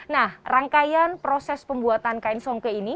nah rangkaian proses pembuatan kain songke ini